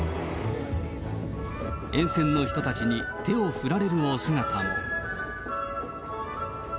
沿線の人たちに、手を振られるお姿も。